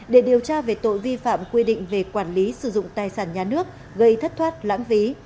để điều tra về tội vi phạm quy định về quản lý sử dụng tài sản nhà nước gây thất thoát lãng phí